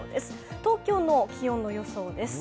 東京の気温の予想です。